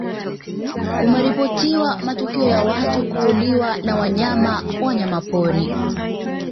kumeripotiwa matukio ya watu kuuliwa na wanyama wanyamapori